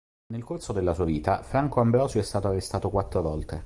Nel corso della sua vita, Franco Ambrosio è stato arrestato quattro volte.